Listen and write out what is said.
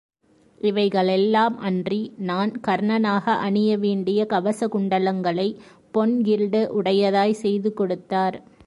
இவைகளெல்லாம் அன்றி, நான் கர்ணனாக அணிய வேண்டிய கவச குண்டலங்களை, பொன் கில்டு உடையதாய்ச் செய்து கொடுத்தார்.